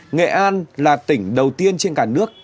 nghệ an là tỉnh đầu tiên trên cả nước